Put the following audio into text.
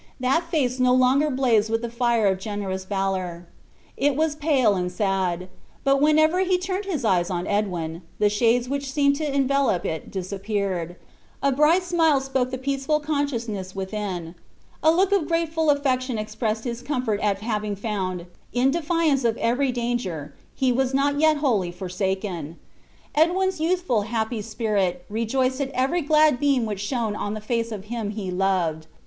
That face no longer blazed with the fire of generous valor it was pale and sad; but whenever he turned his eyes on Edwin, the shades which seemed to envelop it disappeared, a bright smile spoke the peaceful consciousness within, a look of grateful affection expressed his comfort at having found, in defiance of every danger, he was not yet wholly forsaken. Edwin's youthful, happy spirit rejoiced in every glad beam which shone on the face of him he loved.